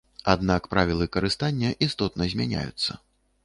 Аднак правілы карыстання істотна змяняюцца.